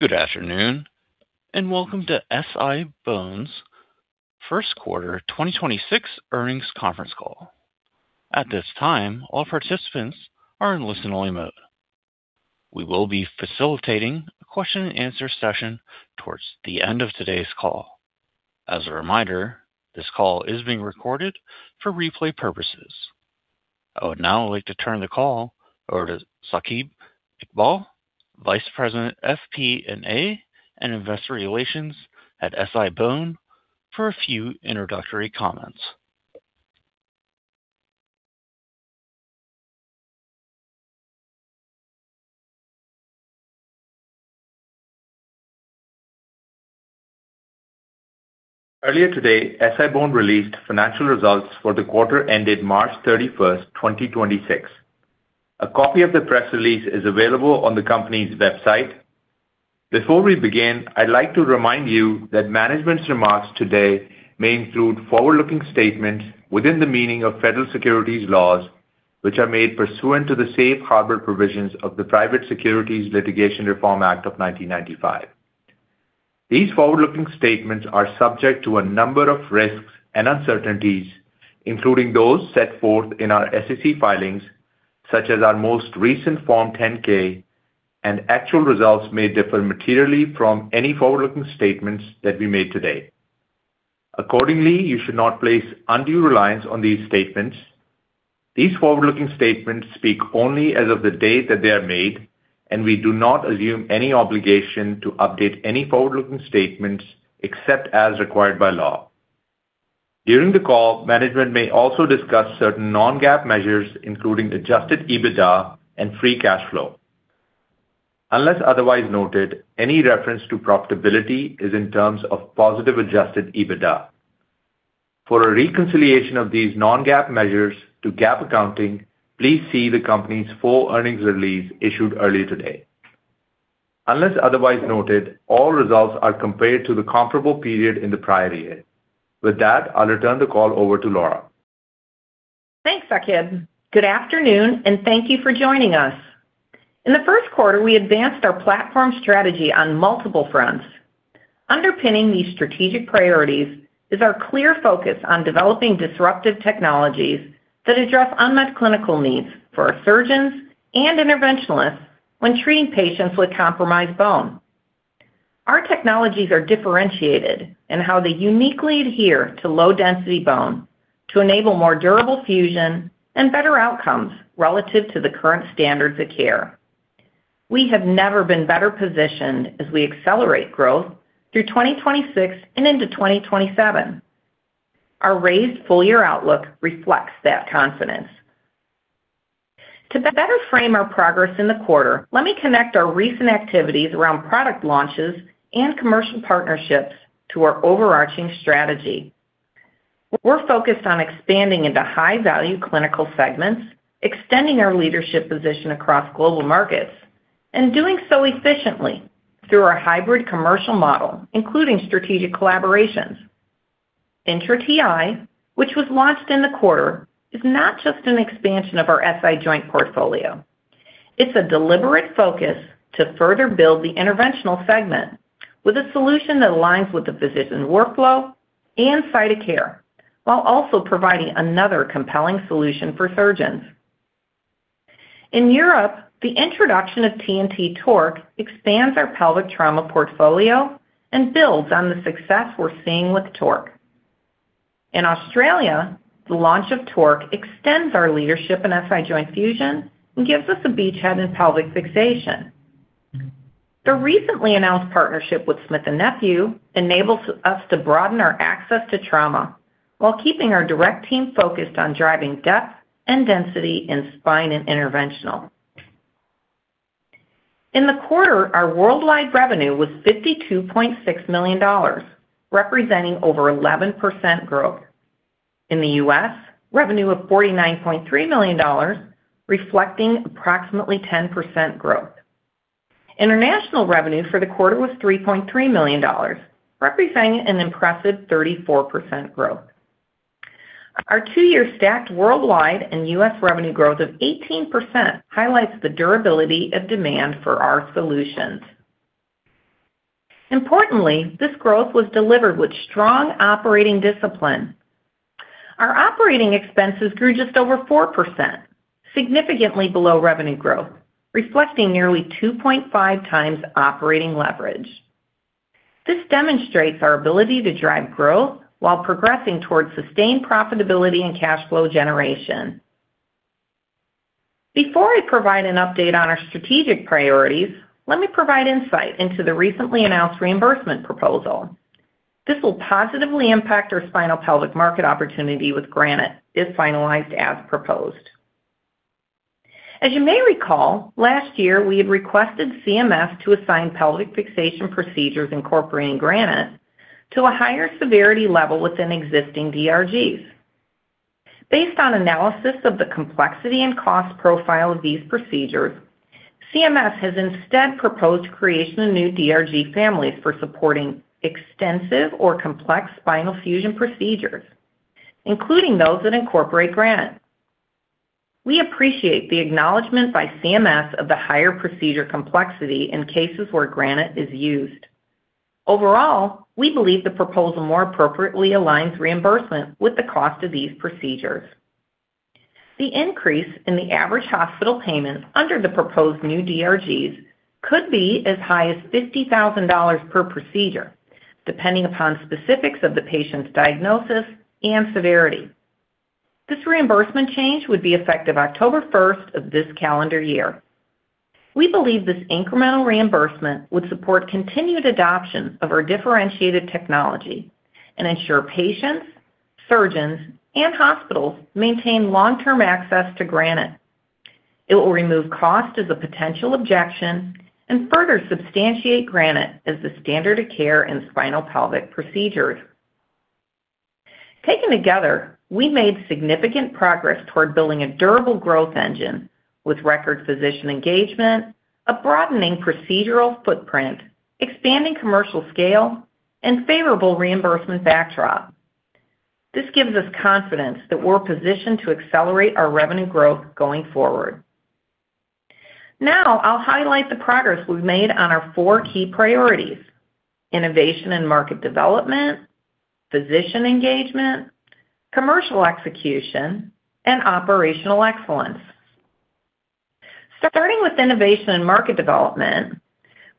Good afternoon, and welcome to SI-BONE's First Quarter 2026 Earnings Conference Call. At this time, all participants are in listen-only mode. We will be facilitating a question and answer session towards the end of today's call. As a reminder, this call is being recorded for replay purposes. I would now like to turn the call over to Saqib Iqbal, Vice President, FP&A and Investor Relations at SI-BONE for a few introductory comments. Earlier today, SI-BONE released financial results for the quarter ended March 31st, 2026. A copy of the press release is available on the company's website. Before we begin, I'd like to remind you that management's remarks today may include forward-looking statements within the meaning of federal securities laws, which are made pursuant to the safe harbor provisions of the Private Securities Litigation Reform Act of 1995. These forward-looking statements are subject to a number of risks and uncertainties, including those set forth in our SEC filings, such as our most recent Form 10-K, and actual results may differ materially from any forward-looking statements that we made today. Accordingly, you should not place undue reliance on these statements. These forward-looking statements speak only as of the date that they are made, and we do not assume any obligation to update any forward-looking statements except as required by law. During the call, management may also discuss certain non-GAAP measures, including adjusted EBITDA and free cash flow. Unless otherwise noted, any reference to profitability is in terms of positive adjusted EBITDA. For a reconciliation of these non-GAAP measures to GAAP accounting, please see the company's full earnings release issued earlier today. Unless otherwise noted, all results are compared to the comparable period in the prior year. With that, I'll return the call over to Laura. Thanks, Saqib. Good afternoon, thank you for joining us. In the first quarter, we advanced our platform strategy on multiple fronts. Underpinning these strategic priorities is our clear focus on developing disruptive technologies that address unmet clinical needs for our surgeons and interventionalists when treating patients with compromised bone. Our technologies are differentiated in how they uniquely adhere to low-density bone to enable more durable fusion and better outcomes relative to the current standards of care. We have never been better positioned as we accelerate growth through 2026 and into 2027. Our raised full-year outlook reflects that confidence. To better frame our progress in the quarter, let me connect our recent activities around product launches and commercial partnerships to our overarching strategy. We're focused on expanding into high-value clinical segments, extending our leadership position across global markets, and doing so efficiently through our hybrid commercial model, including strategic collaborations. INTRA Ti, which was launched in the quarter, is not just an expansion of our SI joint portfolio. It's a deliberate focus to further build the interventional segment with a solution that aligns with the physician workflow and site of care while also providing another compelling solution for surgeons. In Europe, the introduction of TNT TORQ expands our pelvic trauma portfolio and builds on the success we're seeing with TORQ. In Australia, the launch of TORQ extends our leadership in SI joint fusion and gives us a beachhead in pelvic fixation. The recently announced partnership with Smith+Nephew enables us to broaden our access to trauma while keeping our direct team focused on driving depth and density in spine and interventional. In the quarter, our worldwide revenue was $52.6 million, representing over 11% growth. In the U.S., revenue of $49.3 million, reflecting approximately 10% growth. International revenue for the quarter was $3.3 million, representing an impressive 34% growth. Our two-year stacked worldwide and U.S. revenue growth of 18% highlights the durability of demand for our solutions. Importantly, this growth was delivered with strong operating discipline. Our operating expenses grew just over 4%, significantly below revenue growth, reflecting nearly 2.5x operating leverage. This demonstrates our ability to drive growth while progressing towards sustained profitability and cash flow generation. Before I provide an update on our strategic priorities, let me provide insight into the recently announced reimbursement proposal. This will positively impact our spinopelvic market opportunity with Granite if finalized as proposed. As you may recall, last year, we had requested CMS to assign pelvic fixation procedures incorporating Granite to a higher severity level within existing DRGs. Based on analysis of the complexity and cost profile of these procedures, CMS has instead proposed creation of new DRG families for supporting extensive or complex spinal fusion procedures, including those that incorporate Granite. We appreciate the acknowledgment by CMS of the higher procedure complexity in cases where Granite is used. Overall, we believe the proposal more appropriately aligns reimbursement with the cost of these procedures. The increase in the average hospital payment under the proposed new DRGs could be as high as $50,000 per procedure, depending upon specifics of the patient's diagnosis and severity. This reimbursement change would be effective October 1st of this calendar year. We believe this incremental reimbursement would support continued adoption of our differentiated technology and ensure patients, surgeons, and hospitals maintain long-term access to Granite. It will remove cost as a potential objection and further substantiate Granite as the standard of care in spinopelvic procedures. Taken together, we made significant progress toward building a durable growth engine with record physician engagement, a broadening procedural footprint, expanding commercial scale, and favorable reimbursement backdrop. This gives us confidence that we're positioned to accelerate our revenue growth going forward. I'll highlight the progress we've made on our four key priorities: innovation and market development, physician engagement, commercial execution, and operational excellence. Starting with innovation and market development,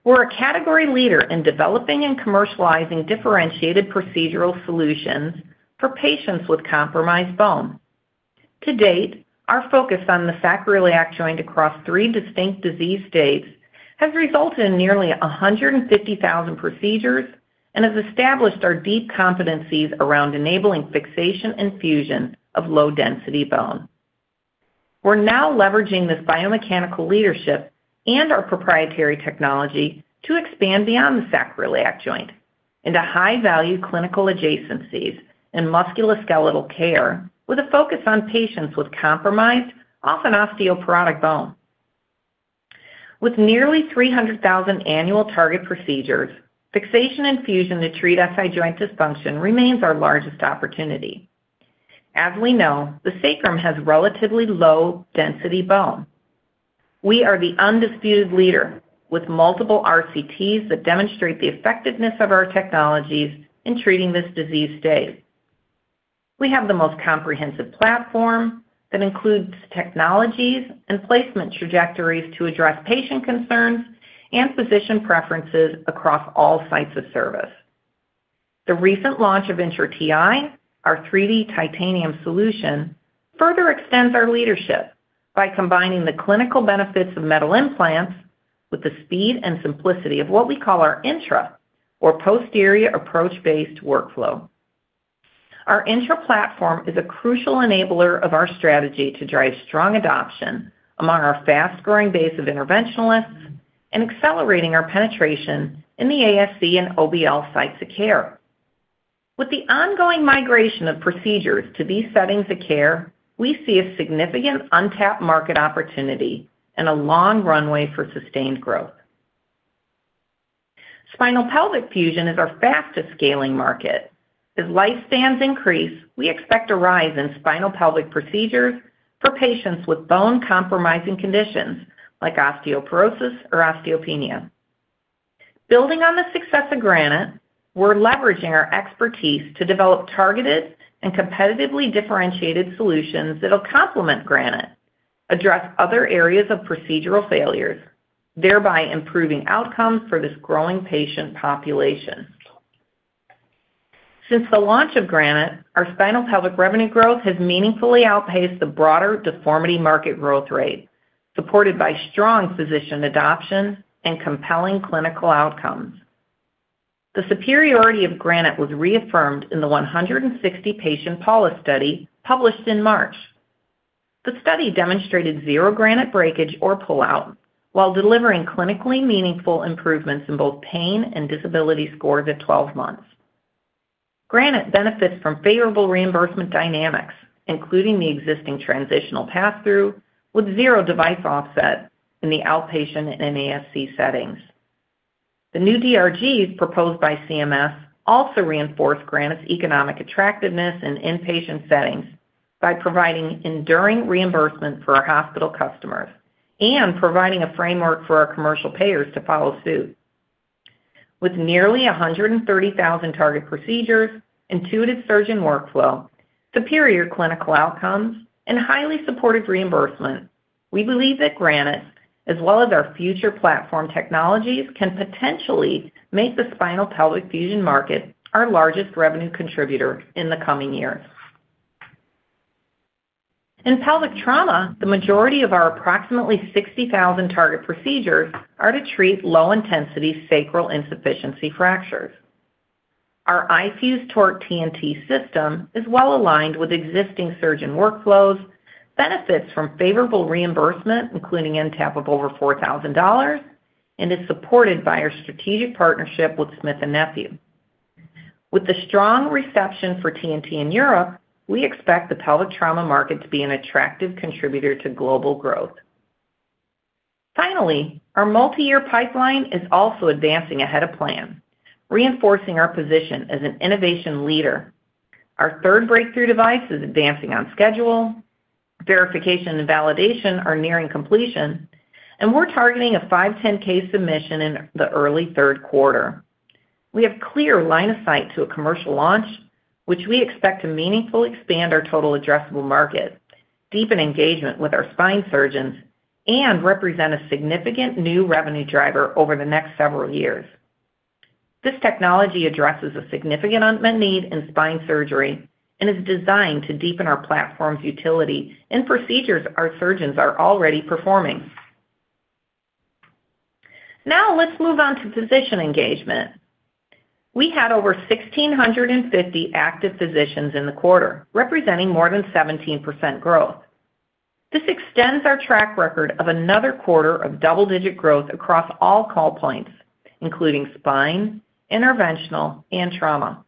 we're a category leader in developing and commercializing differentiated procedural solutions for patients with compromised bone. To date, our focus on the sacroiliac joint across three distinct disease states has resulted in nearly 150,000 procedures and has established our deep competencies around enabling fixation and fusion of low-density bone. We're now leveraging this biomechanical leadership and our proprietary technology to expand beyond the sacroiliac joint into high-value clinical adjacencies in musculoskeletal care with a focus on patients with compromised, often osteoporotic bone. With nearly 300,000 annual target procedures, fixation and fusion to treat SI joint dysfunction remains our largest opportunity. As we know, the sacrum has relatively low-density bone. We are the undisputed leader with multiple RCTs that demonstrate the effectiveness of our technologies in treating this disease state. We have the most comprehensive platform that includes technologies and placement trajectories to address patient concerns and physician preferences across all sites of service. The recent launch of INTRA Ti, our 3D titanium solution, further extends our leadership by combining the clinical benefits of metal implants with the speed and simplicity of what we call our INTRA or posterior approach-based workflow. Our INTRA platform is a crucial enabler of our strategy to drive strong adoption among our fast-growing base of interventionalists and accelerating our penetration in the ASC and OBL sites of care. With the ongoing migration of procedures to these settings of care, we see a significant untapped market opportunity and a long runway for sustained growth. Spinopelvic fusion is our fastest scaling market. As lifespans increase, we expect a rise in spinopelvic procedures for patients with bone-compromising conditions like osteoporosis or osteopenia. Building on the success of Granite, we're leveraging our expertise to develop targeted and competitively differentiated solutions that'll complement Granite, address other areas of procedural failures, thereby improving outcomes for this growing patient population. Since the launch of Granite, our spinopelvic revenue growth has meaningfully outpaced the broader deformity market growth rate, supported by strong physician adoption and compelling clinical outcomes. The superiority of Granite was reaffirmed in the 160-patient PAULA study published in March. The study demonstrated zero Granite breakage or pullout while delivering clinically meaningful improvements in both pain and disability scores at 12 months. Granite benefits from favorable reimbursement dynamics, including the existing transitional pass-through with zero device offset in the outpatient and ASC settings. The new DRGs proposed by CMS also reinforce Granite's economic attractiveness in inpatient settings by providing enduring reimbursement for our hospital customers and providing a framework for our commercial payers to follow suit. With nearly 130,000 target procedures, intuitive surgeon workflow, superior clinical outcomes, and highly supported reimbursement, we believe that Granite, as well as our future platform technologies can potentially make the spinopelvic fusion market our largest revenue contributor in the coming years. In pelvic trauma, the majority of our approximately 60,000 target procedures are to treat low-intensity sacral insufficiency fractures. Our iFuse TORQ TNT system is well-aligned with existing surgeon workflows, benefits from favorable reimbursement, including NTAP of over $4,000, and is supported by our strategic partnership with Smith+Nephew. With the strong reception for TNT in Europe, we expect the pelvic trauma market to be an attractive contributor to global growth. Our multi-year pipeline is also advancing ahead of plan, reinforcing our position as an innovation leader. Our third breakthrough device is advancing on schedule, verification and validation are nearing completion, and we're targeting a 510(k) submission in the early third quarter. We have clear line of sight to a commercial launch, which we expect to meaningfully expand our total addressable market, deepen engagement with our spine surgeons, and represent a significant new revenue driver over the next several years. This technology addresses a significant unmet need in spine surgery and is designed to deepen our platform's utility in procedures our surgeons are already performing. Now let's move on to physician engagement. We had over 1,650 active physicians in the quarter, representing more than 17% growth. This extends our track record of another quarter of double-digit growth across all call points, including spine, interventional, and trauma.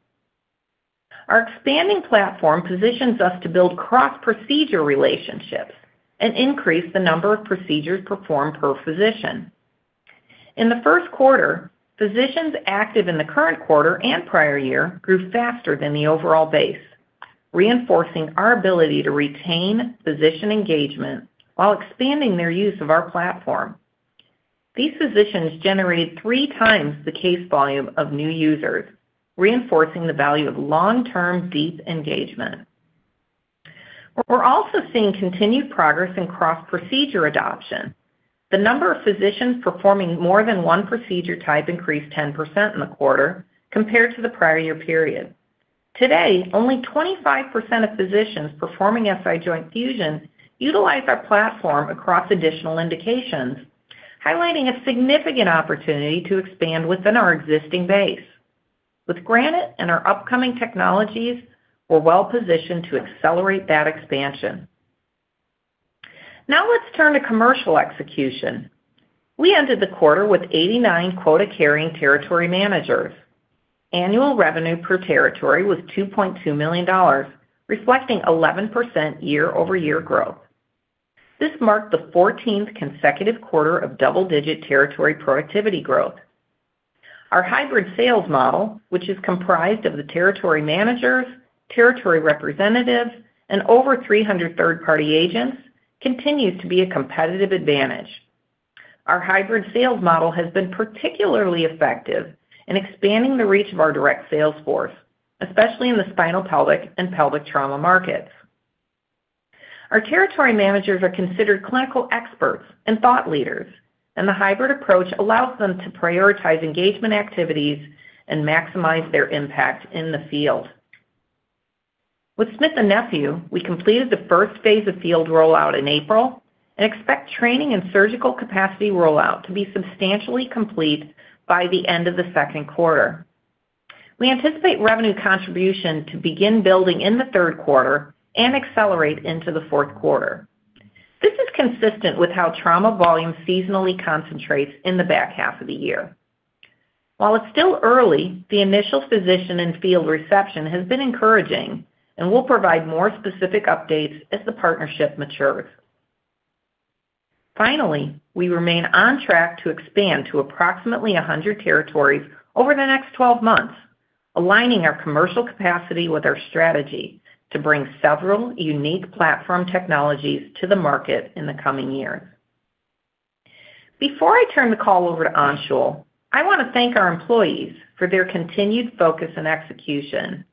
Our expanding platform positions us to build cross-procedure relationships and increase the number of procedures performed per physician. In the first quarter, physicians active in the current quarter and prior year grew faster than the overall base, reinforcing our ability to retain physician engagement while expanding their use of our platform. These physicians generated three times the case volume of new users, reinforcing the value of long-term deep engagement. We're also seeing continued progress in cross-procedure adoption. The number of physicians performing more than one procedure type increased 10% in the quarter compared to the prior year period. Today, only 25% of physicians performing SI joint fusion utilize our platform across additional indications, highlighting a significant opportunity to expand within our existing base. With Granite and our upcoming technologies, we're well-positioned to accelerate that expansion. Let's turn to commercial execution. We ended the quarter with 89 quota-carrying territory managers. Annual revenue per territory was $2.2 million, reflecting 11% year-over-year growth. This marked the 14th consecutive quarter of double-digit territory productivity growth. Our hybrid sales model, which is comprised of the territory managers, territory representatives, and over 300 third-party agents, continues to be a competitive advantage. Our hybrid sales model has been particularly effective in expanding the reach of our direct sales force, especially in the spinopelvic and pelvic trauma markets. Our territory managers are considered clinical experts and thought leaders, and the hybrid approach allows them to prioritize engagement activities and maximize their impact in the field. With Smith+Nephew, we completed the first phase of field rollout in April and expect training and surgical capacity rollout to be substantially complete by the end of the second quarter. We anticipate revenue contribution to begin building in the third quarter and accelerate into the fourth quarter. This is consistent with how trauma volume seasonally concentrates in the back half of the year. While it's still early, the initial physician and field reception has been encouraging and will provide more specific updates as the partnership matures. Finally, we remain on track to expand to approximately 100 territories over the next 12 months, aligning our commercial capacity with our strategy to bring several unique platform technologies to the market in the coming years. Before I turn the call over to Anshul, I want to thank our employees for their continued focus and execution.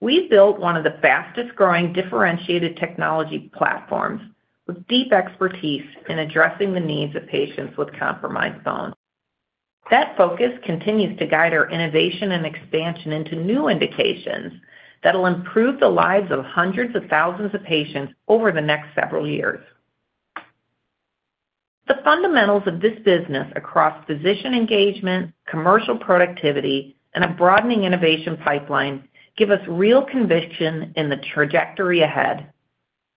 We built one of the fastest-growing differentiated technology platforms with deep expertise in addressing the needs of patients with compromised bone. That focus continues to guide our innovation and expansion into new indications that'll improve the lives of hundreds of thousands of patients over the next several years. The fundamentals of this business across physician engagement, commercial productivity, and a broadening innovation pipeline give us real conviction in the trajectory ahead.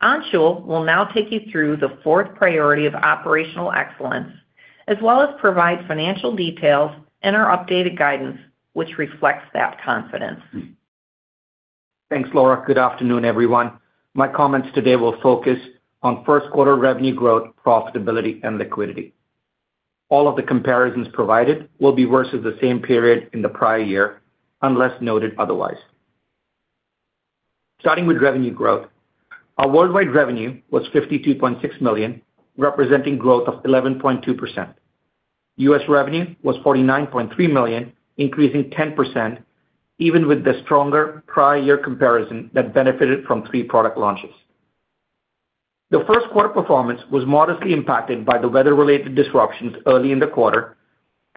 Anshul will now take you through the fourth priority of operational excellence, as well as provide financial details and our updated guidance, which reflects that confidence. Thanks, Laura. Good afternoon, everyone. My comments today will focus on first quarter revenue growth, profitability, and liquidity. All of the comparisons provided will be versus the same period in the prior year, unless noted otherwise. Starting with revenue growth, our worldwide revenue was $52.6 million, representing growth of 11.2%. U.S. revenue was $49.3 million, increasing 10%, even with the stronger prior year comparison that benefited from three product launches. The first quarter performance was modestly impacted by the weather-related disruptions early in the quarter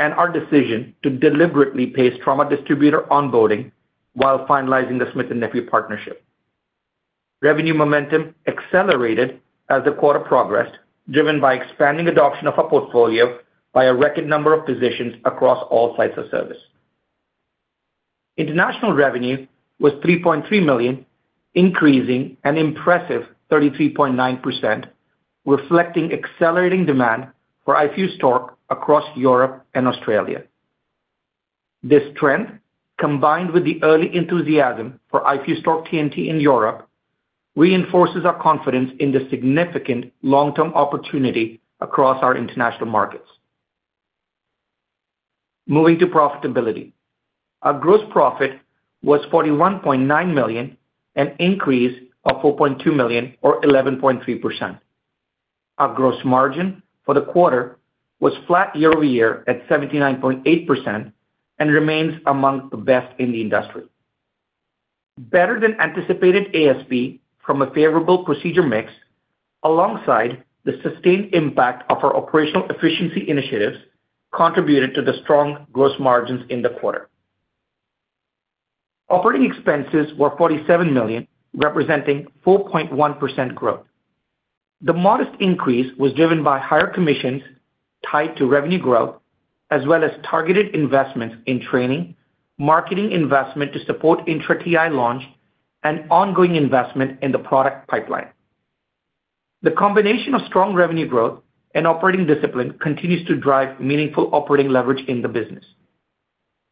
and our decision to deliberately pace trauma distributor onboarding while finalizing the Smith+Nephew partnership. Revenue momentum accelerated as the quarter progressed, driven by expanding adoption of our portfolio by a record number of physicians across all sites of service. International revenue was $3.3 million, increasing an impressive 33.9%, reflecting accelerating demand for iFuse TORQ across Europe and Australia. This trend, combined with the early enthusiasm for iFuse TORQ TNT in Europe, reinforces our confidence in the significant long-term opportunity across our international markets. Moving to profitability. Our gross profit was $41.9 million, an increase of $4.2 million or 11.3%. Our gross margin for the quarter was flat year-over-year at 79.8% and remains among the best in the industry. Better than anticipated ASP from a favorable procedure mix alongside the sustained impact of our operational efficiency initiatives contributed to the strong gross margins in the quarter. Operating expenses were $47 million, representing 4.1% growth. The modest increase was driven by higher commissions tied to revenue growth as well as targeted investments in training, marketing investment to support INTRA Ti launch and ongoing investment in the product pipeline. The combination of strong revenue growth and operating discipline continues to drive meaningful operating leverage in the business.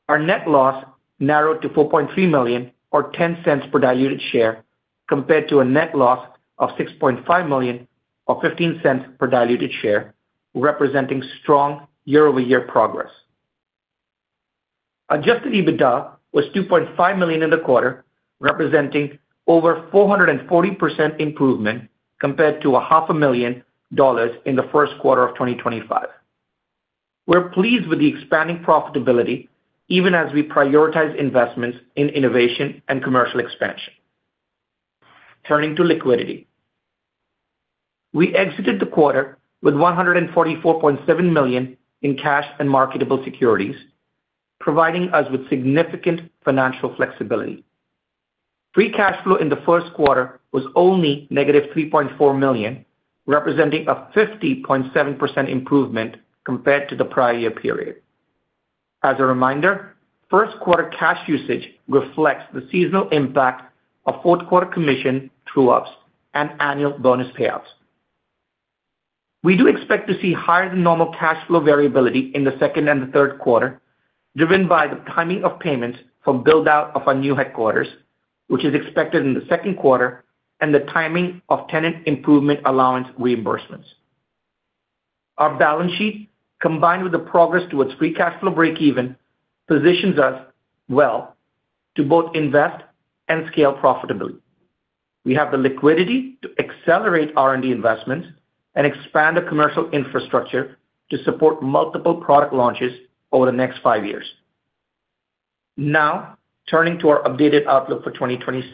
Our net loss narrowed to $4.3 million or $0.10 per diluted share compared to a net loss of $6.5 million or $0.15 per diluted share, representing strong year-over-year progress. Adjusted EBITDA was $2.5 million in the quarter, representing over 440% improvement compared to a half a million dollars in the first quarter of 2025. We're pleased with the expanding profitability even as we prioritize investments in innovation and commercial expansion. Turning to liquidity. We exited the quarter with $144.7 million in cash and marketable securities, providing us with significant financial flexibility. Free cash flow in the first quarter was only -$3.4 million, representing a 50.7% improvement compared to the prior year period. As a reminder, first quarter cash usage reflects the seasonal impact of fourth quarter commission true-ups and annual bonus payouts. We do expect to see higher than normal cash flow variability in the second and the third quarter, driven by the timing of payments for build-out of our new headquarters, which is expected in the second quarter, and the timing of Tenant Improvement allowance reimbursements. Our balance sheet, combined with the progress towards free cash flow breakeven, positions us well to both invest and scale profitably. We have the liquidity to accelerate R&D investment and expand the commercial infrastructure to support multiple product launches over the next five years. Turning to our updated outlook for 2026.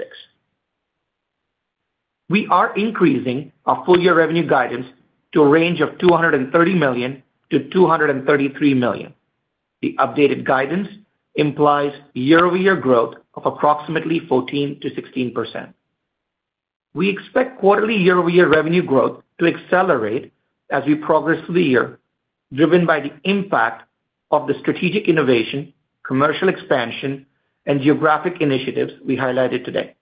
We are increasing our full-year revenue guidance to a range of $230 million-$233 million. The updated guidance implies year-over-year growth of approximately 14%-16%. We expect quarterly year-over-year revenue growth to accelerate as we progress through the year, driven by the impact of the strategic innovation, commercial expansion, and geographic initiatives we highlighted today.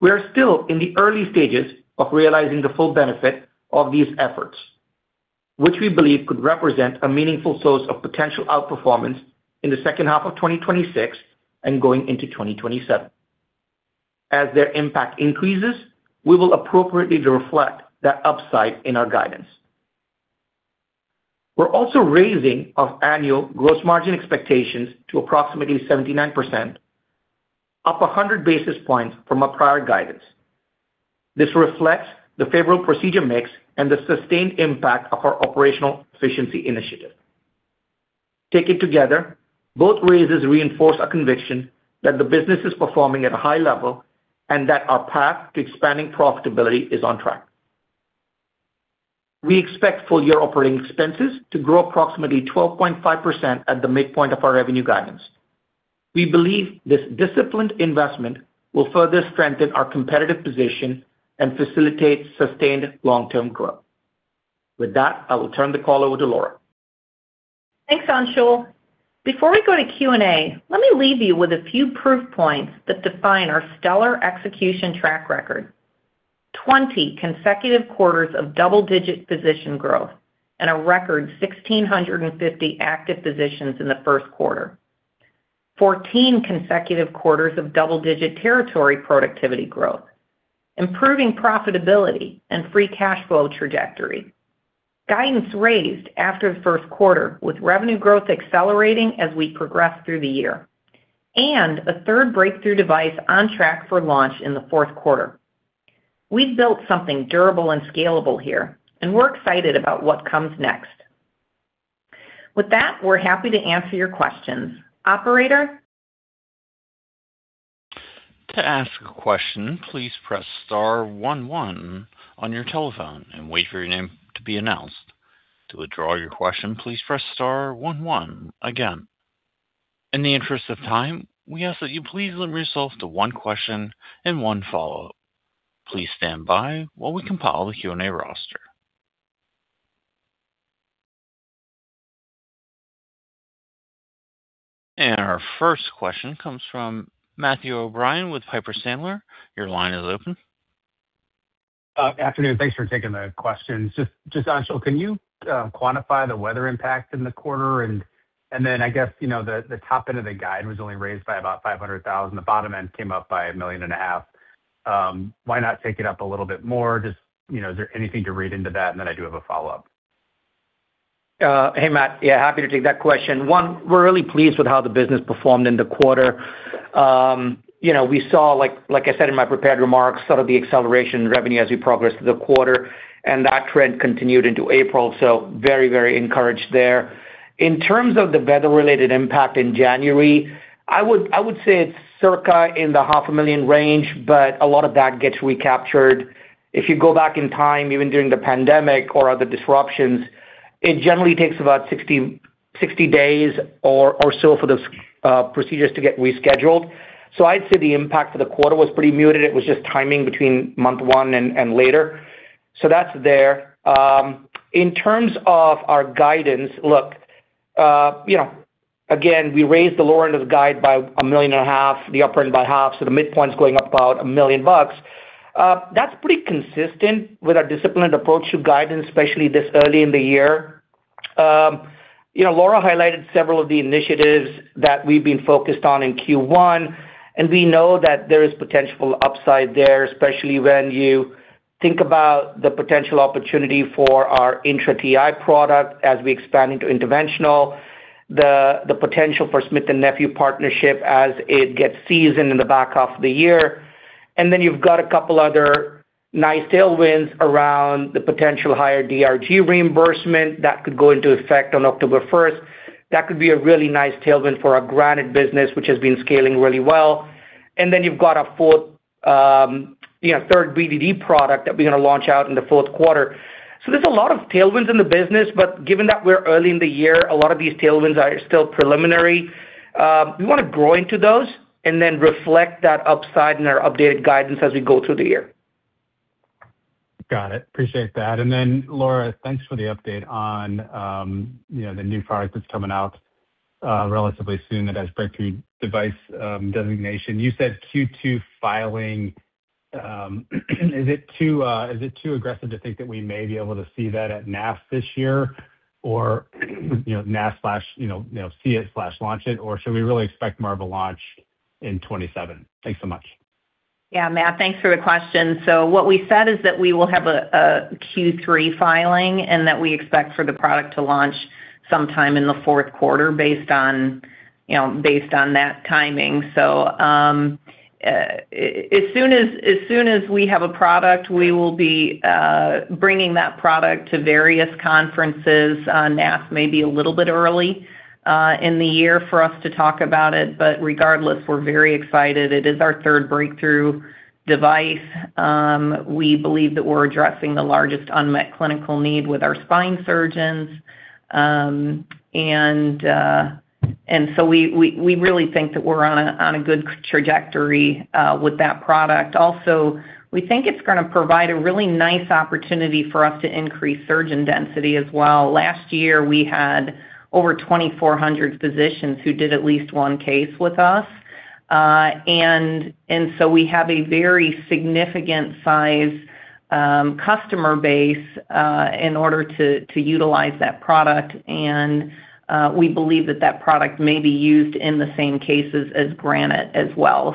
We are still in the early stages of realizing the full benefit of these efforts, which we believe could represent a meaningful source of potential outperformance in the second half of 2026 and going into 2027. As their impact increases, we will appropriately reflect that upside in our guidance. We're also raising our annual gross margin expectations to approximately 79%, up 100 basis points from our prior guidance. This reflects the favorable procedure mix and the sustained impact of our operational efficiency initiative. Taken together, both raises reinforce our conviction that the business is performing at a high level and that our path to expanding profitability is on track. We expect full-year operating expenses to grow approximately 12.5% at the midpoint of our revenue guidance. We believe this disciplined investment will further strengthen our competitive position and facilitate sustained long-term growth. With that, I will turn the call over to Laura. Thanks, Anshul. Before we go to Q&A, let me leave you with a few proof points that define our stellar execution track record. 20 consecutive quarters of double-digit physician growth and a record 1,650 active physicians in the first quarter. 14 consecutive quarters of double-digit territory productivity growth. Improving profitability and free cash flow trajectory. Guidance raised after the first quarter, with revenue growth accelerating as we progress through the year. A third breakthrough device on track for launch in the fourth quarter. We've built something durable and scalable here, and we're excited about what comes next. With that, we're happy to answer your questions. Operator? Our first question comes from Matthew O'Brien with Piper Sandler. Your line is open. Afternoon. Thanks for taking the questions. Just Anshul, can you quantify the weather impact in the quarter? Then I guess, you know, the top end of the guide was only raised by about $500,000. The bottom end came up by $1.5 million. Why not take it up a little bit more? Just, you know, is there anything to read into that? Then I do have a follow-up. Hey, Matt. Yeah, happy to take that question. One, we're really pleased with how the business performed in the quarter. You know, we saw like I said in my prepared remarks, sort of the acceleration in revenue as we progressed through the quarter. That trend continued into April, so very, very encouraged there. In terms of the weather-related impact in January, I would say it's circa in the half a million range. A lot of that gets recaptured. If you go back in time, even during the pandemic or other disruptions, it generally takes about 60 days or so for those procedures to get rescheduled. I'd say the impact for the quarter was pretty muted. It was just timing between month one and later. That's there. In terms of our guidance, look, you know, again, we raised the lower end of the guide by a million and a half, the upper end by half, so the midpoint's going up about a million bucks. That's pretty consistent with our disciplined approach to guidance, especially this early in the year. You know, Laura highlighted several of the initiatives that we've been focused on in Q1. We know that there is potential upside there, especially when you think about the potential opportunity for our INTRA Ti product as we expand into interventional. The potential for Smith+Nephew partnership as it gets seasoned in the back half of the year. You've got a couple other nice tailwinds around the potential higher DRG reimbursement that could go into effect on October first. That could be a really nice tailwind for our Granite business, which has been scaling really well. You've got a full, you know, third BDD product that we're gonna launch out in the fourth quarter. There's a lot of tailwinds in the business, but given that we're early in the year, a lot of these tailwinds are still preliminary. We wanna grow into those and then reflect that upside in our updated guidance as we go through the year. Got it. Appreciate that. Laura, thanks for the update on, you know, the new product that's coming out, relatively soon that has Breakthrough Device Designation. You said Q2 filing. Is it too, is it too aggressive to think that we may be able to see that at NASS this year? NASS slash, you know, see it slash launch it? Should we really expect more of a launch in 2027? Thanks so much. Yeah, Matt, thanks for the question. What we said is that we will have a Q3 filing, and that we expect for the product to launch sometime in the fourth quarter based on, you know, based on that timing. As soon as we have a product, we will be bringing that product to various conferences. NASS may be a little bit early in the year for us to talk about it, but regardless, we're very excited. It is our third breakthrough device. We believe that we're addressing the largest unmet clinical need with our spine surgeons. We really think that we're on a good trajectory with that product. Also, we think it's gonna provide a really nice opportunity for us to increase surgeon density as well. Last year, we had over 2,400 physicians who did at least one case with us. We have a very significant size customer base in order to utilize that product. We believe that that product may be used in the same cases as Granite as well.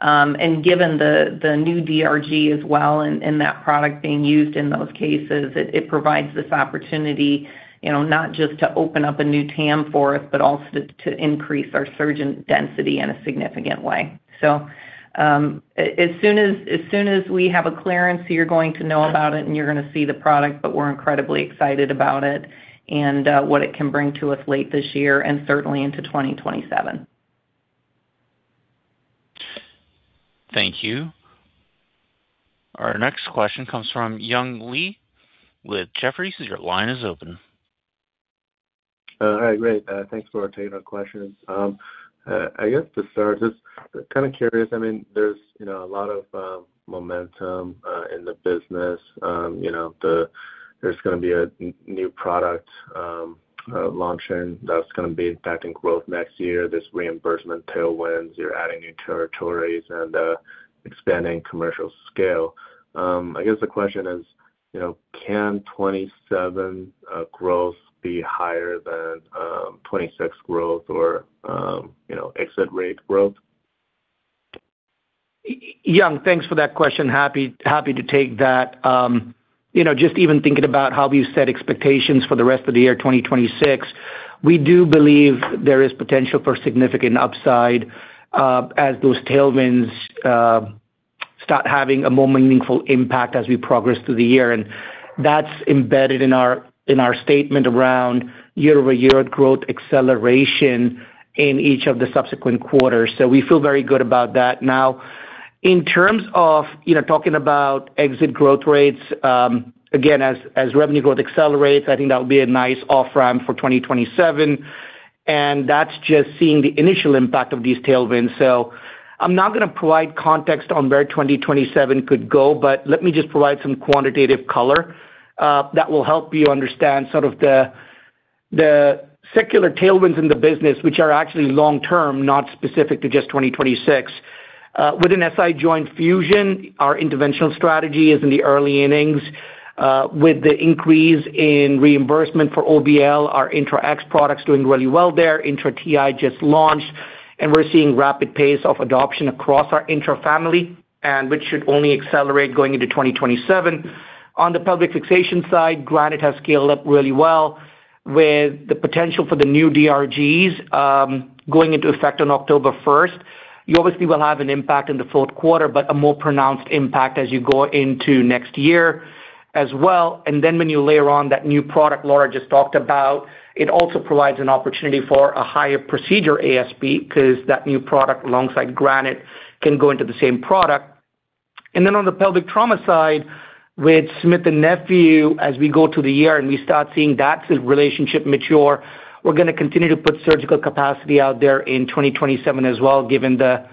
Given the new DRG as well and that product being used in those cases, it provides this opportunity, you know, not just to open up a new TAM for us, but also to increase our surgeon density in a significant way. As soon as we have a clearance, you're going to know about it and you're going to see the product, but we're incredibly excited about it and what it can bring to us late this year and certainly into 2027. Thank you. Our next question comes from Young Lee with Jefferies. Your line is open. Hi. Great. Thanks for taking our questions. I guess to start, just kind of curious, I mean, there's, you know, a lot of momentum in the business. You know, there's gonna be a new product launching that's gonna be impacting growth next year. There's reimbursement tailwinds. You're adding new territories and expanding commercial scale. I guess the question is, you know, can 2027 growth be higher than 2026 growth or, you know, exit rate growth? Young, thanks for that question. Happy to take that. You know, just even thinking about how we've set expectations for the rest of the year 2026, we do believe there is potential for significant upside as those tailwinds start having a more meaningful impact as we progress through the year. That's embedded in our statement around year-over-year growth acceleration in each of the subsequent quarters. We feel very good about that. Now, in terms of, you know, talking about exit growth rates, again, as revenue growth accelerates, I think that would be a nice off-ramp for 2027, that's just seeing the initial impact of these tailwinds. I'm not going to provide context on where 2027 could go, but let me just provide some quantitative color that will help you understand sort of the secular tailwinds in the business, which are actually long-term, not specific to just 2026. Within SI joint fusion, our interventional strategy is in the early innings with the increase in reimbursement for OBL, our INTRA X products doing really well there. INTRA Ti just launched, and we're seeing rapid pace of adoption across our INTRA family and which should only accelerate going into 2027. On the pelvic fixation side, Granite has scaled up really well with the potential for the new DRGs going into effect on October first. You obviously will have an impact in the fourth quarter, but a more pronounced impact as you go into next year as well. When you layer on that new product Laura just talked about, it also provides an opportunity for a higher procedure ASP because that new product alongside Granite can go into the same product. Then on the pelvic trauma side, with Smith+Nephew, as we go through the year and we start seeing that relationship mature, we're going to continue to put surgical capacity out there in 2027 as well, given the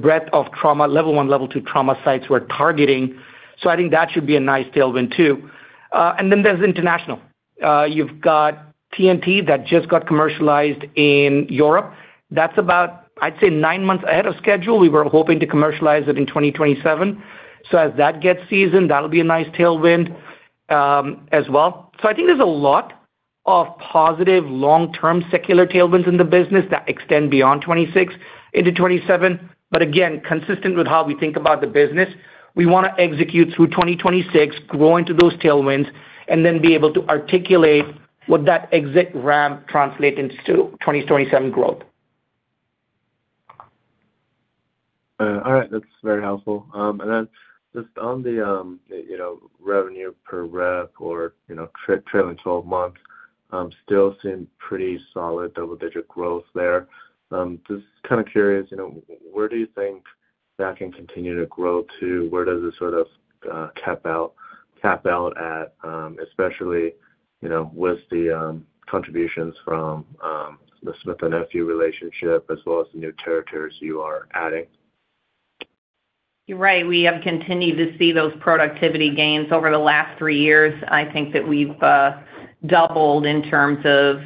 breadth of trauma, level 1, level 2 trauma sites we're targeting. I think that should be a nice tailwind too. Then there's international. You've got TNT that just got commercialized in Europe. That's about, I'd say, nine months ahead of schedule. We were hoping to commercialize it in 2027. As that gets seasoned, that'll be a nice tailwind as well. I think there's a lot of positive long-term secular tailwinds in the business that extend beyond 2026 into 2027. Again, consistent with how we think about the business, we want to execute through 2026, grow into those tailwinds, and then be able to articulate what that exit ramp translates into 2027 growth. All right. That's very helpful. Just on the, you know, revenue per rep or, you know, trailing 12 months, still seeing pretty solid double-digit growth there. Just kind of curious, you know, where do you think that can continue to grow to? Where does it sort of cap out at, especially, you know, with the contributions from the Smith+Nephew relationship as well as the new territories you are adding? You're right. We have continued to see those productivity gains over the last three years. I think that we've doubled in terms of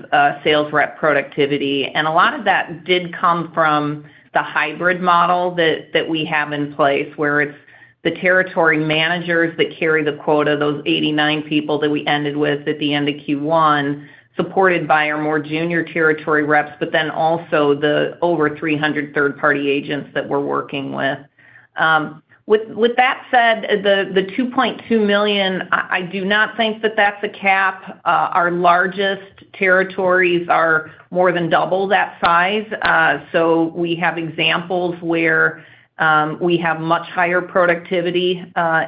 sales rep productivity. A lot of that did come from the hybrid model that we have in place, where it's the territory managers that carry the quota, those 89 people that we ended with at the end of Q1, supported by our more junior territory reps, but then also the over 300 third-party agents that we're working with. With that said, the $2.2 million, I do not think that that's a cap. Our largest territories are more than double that size. We have examples where we have much higher productivity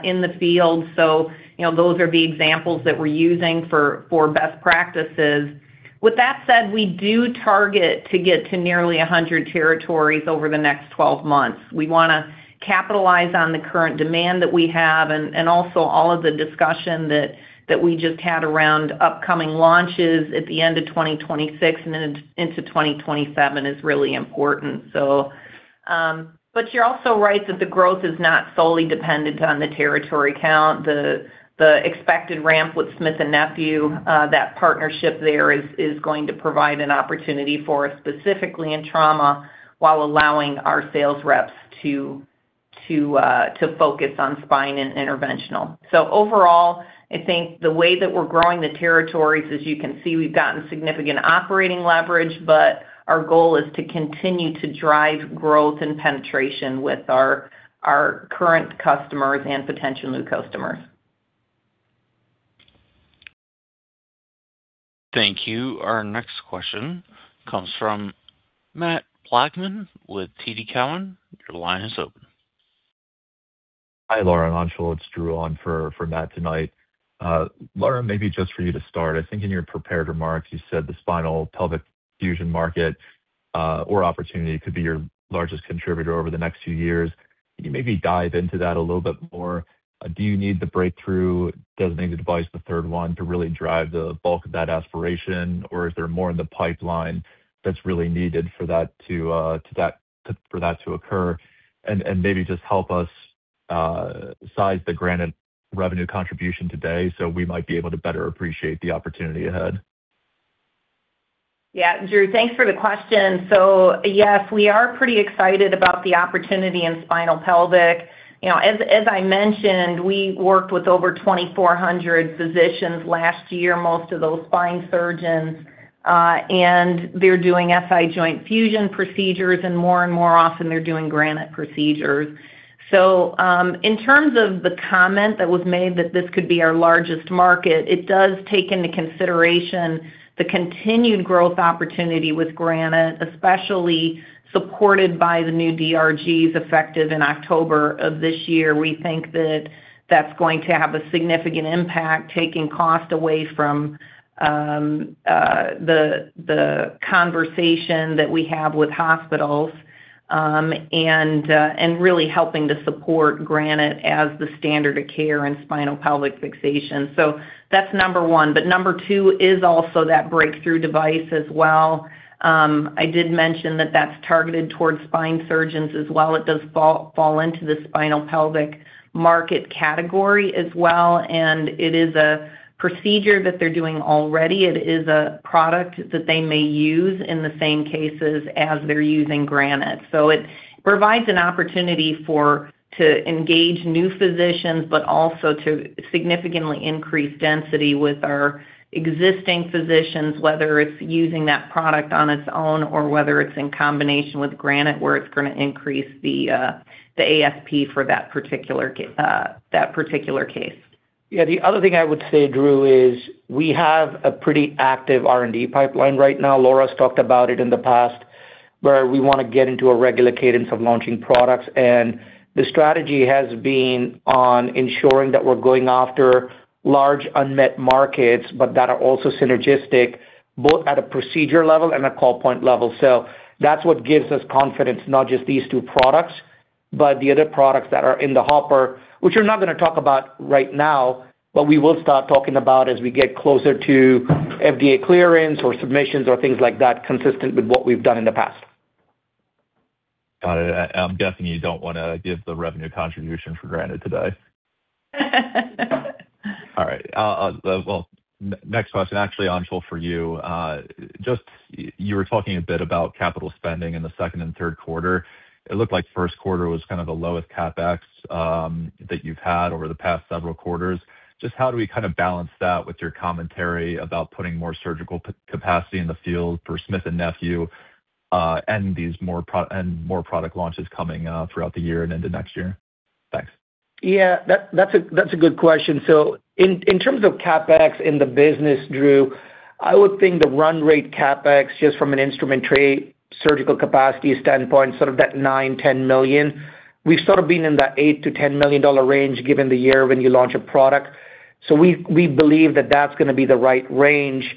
in the field. You know, those are the examples that we're using for best practices. With that said, we do target to get to nearly 100 territories over the next 12 months. We want to capitalize on the current demand that we have and also all of the discussion that we just had around upcoming launches at the end of 2026 and then into 2027 is really important. You're also right that the growth is not solely dependent on the territory count. The expected ramp with Smith+Nephew, that partnership there is going to provide an opportunity for us specifically in trauma while allowing our sales reps to focus on spine and interventional. Overall, I think the way that we're growing the territories, as you can see, we've gotten significant operating leverage, but our goal is to continue to drive growth and penetration with our current customers and potential new customers. Thank you. Our next question comes from Matt Blackman with TD Cowen. Your line is open. Hi, Laura and Anshul. It's Drew on for Matt tonight. Laura, maybe just for you to start, I think in your prepared remarks, you said the spinal pelvic fusion market or opportunity could be your largest contributor over the next few years. Can you maybe dive into that a little bit more? Do you need the Breakthrough? Does it need the device, the third one, to really drive the bulk of that aspiration? Or is there more in the pipeline that's really needed for that to occur? Maybe just help us size the Granite revenue contribution today so we might be able to better appreciate the opportunity ahead. Drew, thanks for the question. Yes, we are pretty excited about the opportunity in spinal pelvic. You know, as I mentioned, we worked with over 2,400 physicians last year, most of those spine surgeons, and they're doing SI joint fusion procedures, and more and more often they're doing Granite procedures. In terms of the comment that was made that this could be our largest market, it does take into consideration the continued growth opportunity with Granite, especially supported by the new DRGs effective in October of this year. We think that's going to have a significant impact, taking cost away from the conversation that we have with hospitals, and really helping to support Granite as the standard of care in spinal pelvic fixation. That's number one. Number two is also that breakthrough device as well. I did mention that that's targeted towards spine surgeons as well. It does fall into the spinopelvic market category as well, and it is a procedure that they're doing already. It is a product that they may use in the same cases as they're using Granite. It provides an opportunity to engage new physicians, but also to significantly increase density with our existing physicians, whether it's using that product on its own or whether it's in combination with Granite, where it's going to increase the ASP for that particular case. Yeah. The other thing I would say, Drew, is we have a pretty active R&D pipeline right now. Laura's talked about it in the past, where we wanna get into a regular cadence of launching products. The strategy has been on ensuring that we're going after large unmet markets, but that are also synergistic, both at a procedure level and a call point level. That's what gives us confidence, not just these two products, but the other products that are in the hopper, which we're not gonna talk about right now, but we will start talking about as we get closer to FDA clearance or submissions or things like that, consistent with what we've done in the past. Got it. I definitely don't want to give the revenue contribution for granted today. All right. Well, next question actually, Anshul, for you. Just you were talking a bit about capital spending in the second and third quarter. It looked like first quarter was kind of the lowest CapEx that you've had over the past several quarters. Just how do we kind of balance that with your commentary about putting more surgical capacity in the field for Smith+Nephew, and more product launches coming throughout the year and into next year? Thanks. That's a good question. In terms of CapEx in the business, Drew, I would think the run rate CapEx, just from an instrument tray surgical capacity standpoint, sort of that $9 million-$10 million. We've sort of been in that $8 million-$10 million range given the year when you launch a product. We believe that that's going to be the right range.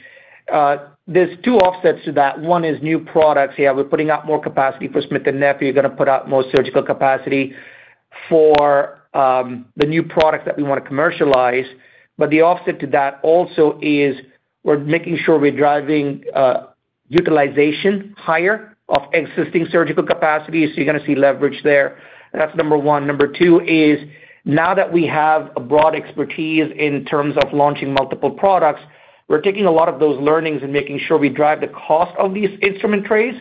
There's two offsets to that. 1 is new products. We're putting out more capacity for Smith+Nephew. You're gonna put out more surgical capacity for the new product that we wanna commercialize. The offset to that also is we're making sure we're driving utilization higher of existing surgical capacity, so you're gonna see leverage there. That's number one. Number two is now that we have a broad expertise in terms of launching multiple products, we're taking a lot of those learnings and making sure we drive the cost of these instrument trays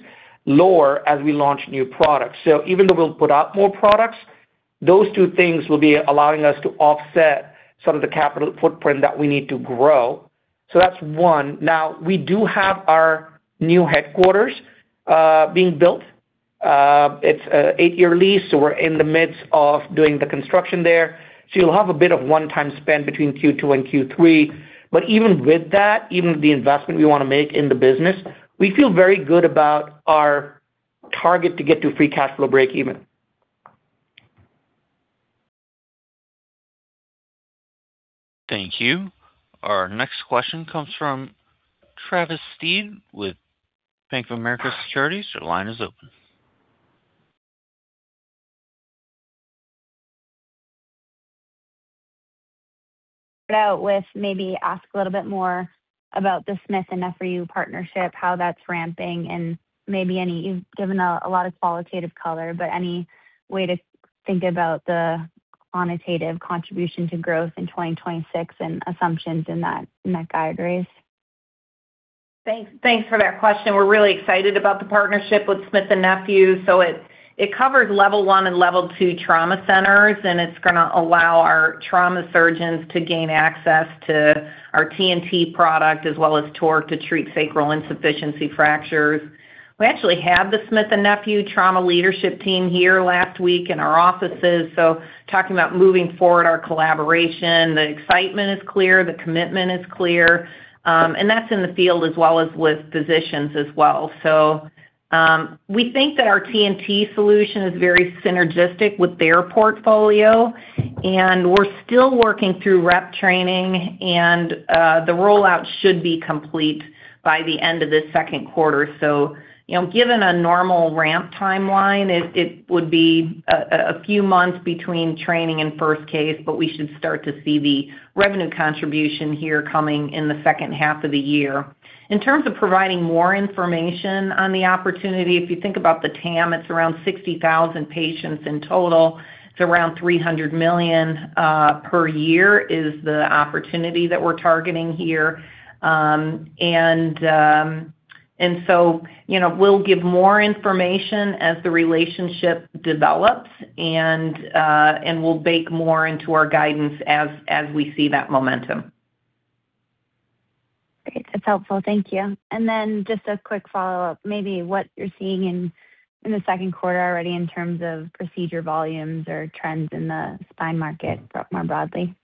lower as we launch new products. Even though we'll put out more products, those two things will be allowing us to offset some of the capital footprint that we need to grow. That's one. Now, we do have our new headquarters being built. It's an eight-year lease, so we're in the midst of doing the construction there. You'll have a bit of one-time spend between Q2 and Q3. Even with that, even with the investment we wanna make in the business, we feel very good about our target to get to free cash flow breakeven. Thank you. Our next question comes from Travis Steed with Bank of America Securities. Your line is open. Start out with maybe ask a little bit more about the Smith+Nephew partnership, how that's ramping. You've given a lot of qualitative color, any way to think about the quantitative contribution to growth in 2026 and assumptions in that guidance? Thanks, thanks for that question. We're really excited about the partnership with Smith+Nephew. It, it covers level 1 and level 2 trauma centers, and it's gonna allow our trauma surgeons to gain access to our TNT product as well as TORQ to treat sacral insufficiency fractures. We actually had the Smith+Nephew trauma leadership team here last week in our offices, talking about moving forward our collaboration. The excitement is clear, the commitment is clear, and that's in the field as well as with physicians as well. We think that our TNT solution is very synergistic with their portfolio, and we're still working through rep training and the rollout should be complete by the end of the second quarter. you know, given a normal ramp timeline, it would be a few months between training and first case, but we should start to see the revenue contribution here coming in the second half of the year. In terms of providing more information on the opportunity, if you think about the TAM, it's around 60,000 patients in total. It's around $300 million per year is the opportunity that we're targeting here. You know, we'll give more information as the relationship develops and we'll bake more into our guidance as we see that momentum. Great. That's helpful. Thank you. Just a quick follow-up. Maybe what you're seeing in the second quarter already in terms of procedure volumes or trends in the spine market more broadly?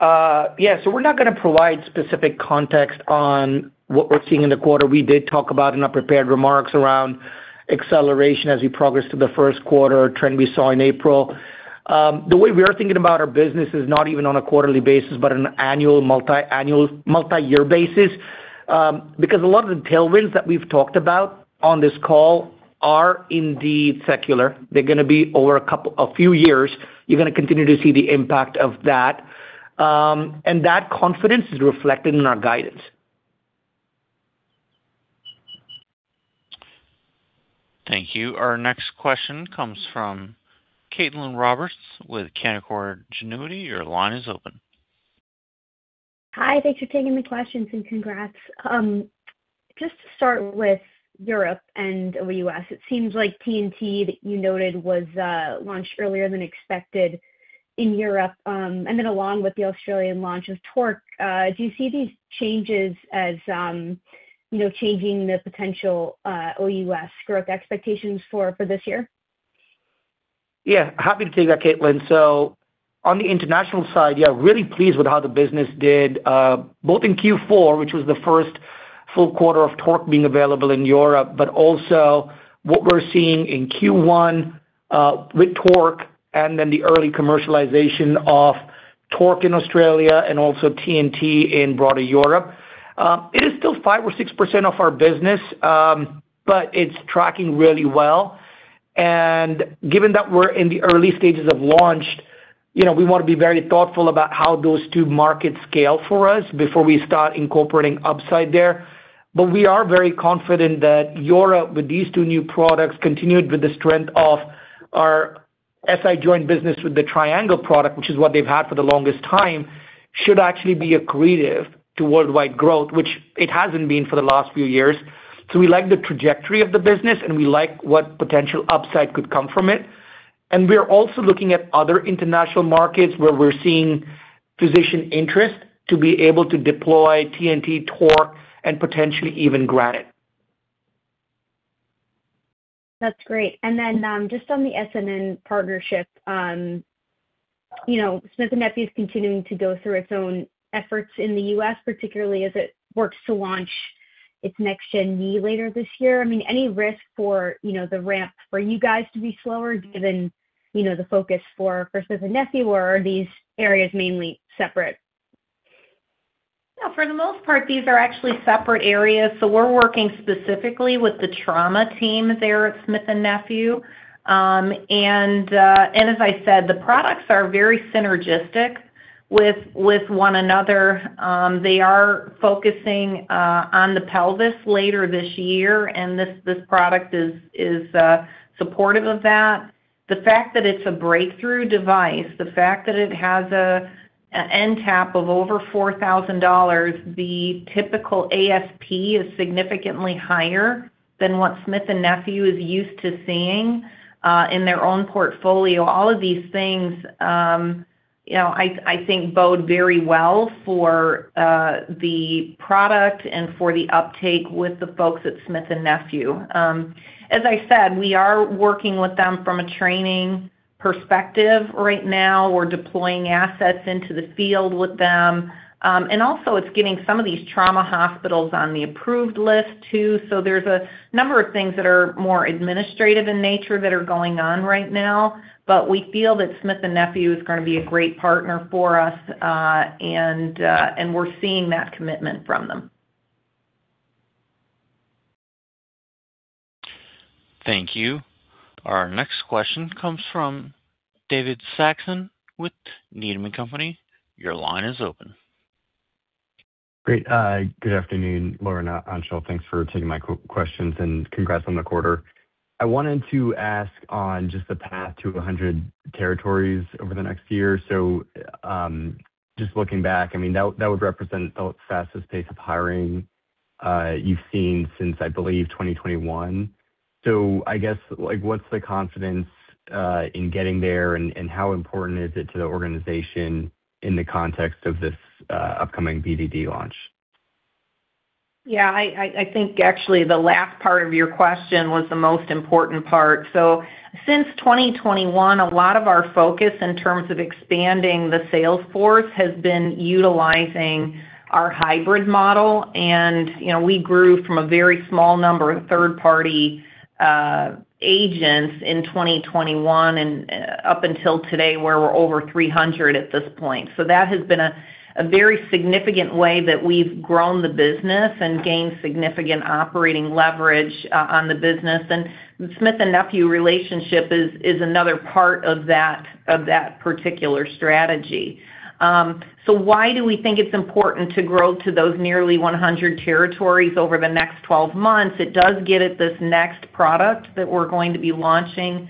Yeah. We're not gonna provide specific context on what we're seeing in the quarter. We did talk about in our prepared remarks around acceleration as we progress through the first quarter trend we saw in April. The way we are thinking about our business is not even on a quarterly basis, but an annual, multi-annual, multi-year basis. Because a lot of the tailwinds that we've talked about on this call are indeed secular. They're gonna be over a few years. You're gonna continue to see the impact of that. That confidence is reflected in our guidance. Thank you. Our next question comes from Caitlin Roberts with Canaccord Genuity. Your line is open. Hi, thanks for taking the questions, and congrats. Just to start with Europe and OUS, it seems like TNT that you noted was launched earlier than expected in Europe, and then along with the Australian launch of TORQ, do you see these changes as, you know, changing the potential OUS growth expectations for this year? Yeah, happy to take that, Caitlin. On the international side, yeah, really pleased with how the business did, both in Q4, which was the first full quarter of TORQ being available in Europe, but also what we're seeing in Q1, with TORQ and then the early commercialization of TORQ in Australia and also TNT in broader Europe. It is still 5% or 6% of our business, but it's tracking really well. Given that we're in the early stages of launch, you know, we wanna be very thoughtful about how those two markets scale for us before we start incorporating upside there. We are very confident that Europe, with these two new products, continued with the strength of our SI joint business with the Triangle product, which is what they've had for the longest time, should actually be accretive to worldwide growth, which it hasn't been for the last few years. We like the trajectory of the business, and we like what potential upside could come from it. We're also looking at other international markets where we're seeing physician interest to be able to deploy TNT, TORQ, and potentially even Granite. That's great. Just on the S&N partnership, you know, Smith+Nephew is continuing to go through its own efforts in the U.S., particularly as it works to launch its next-gen knee later this year. I mean, any risk for, you know, the ramp for you guys to be slower given, you know, the focus for Smith+Nephew, or are these areas mainly separate? No, for the most part, these are actually separate areas. We're working specifically with the trauma team there at Smith+Nephew. As I said, the products are very synergistic with one another. They are focusing on the pelvis later this year, and this product is supportive of that. The fact that it's a breakthrough device, the fact that it has an NTAP of over $4,000, the typical ASP is significantly higher than what Smith+Nephew is used to seeing in their own portfolio. All of these things, I think bode very well for the product and for the uptake with the folks at Smith+Nephew. As I said, we are working with them from a training perspective right now. We're deploying assets into the field with them. It's getting some of these trauma hospitals on the approved list too. There's a number of things that are more administrative in nature that are going on right now, but we feel that Smith+Nephew is gonna be a great partner for us, and we're seeing that commitment from them. Thank you. Our next question comes from David Saxon with Needham & Company. Your line is open. Great. good afternoon, Laura, Anshul. Thanks for taking my questions, and congrats on the quarter. I wanted to ask on just the path to 100 territories over the next year. Just looking back, I mean, that would represent the fastest pace of hiring, you've seen since, I believe, 2021. I guess, like, what's the confidence in getting there, and how important is it to the organization in the context of this upcoming BDD launch? Yeah, I think actually the last part of your question was the most important part. Since 2021, a lot of our focus in terms of expanding the sales force has been utilizing our hybrid model. You know, we grew from a very small number of third-party agents in 2021 and up until today, where we're over 300 at this point. That has been a very significant way that we've grown the business and gained significant operating leverage on the business. The Smith+Nephew relationship is another part of that particular strategy. Why do we think it's important to grow to those nearly 100 territories over the next 12 months? It does get at this next product that we're going to be launching, a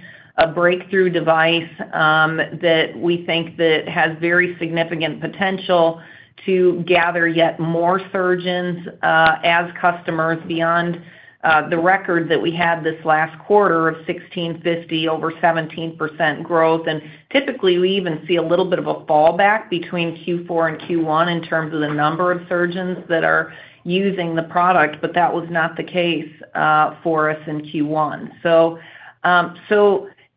breakthrough device, that we think that has very significant potential to gather yet more surgeons as customers beyond the record that we had this last quarter of 1,650, over 17% growth. Typically, we even see a little bit of a fallback between Q4 and Q1 in terms of the number of surgeons that are using the product, but that was not the case for us in Q1.